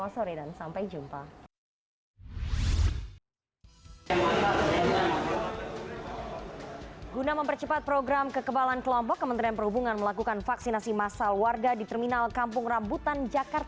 selamat sore dan sampai jumpa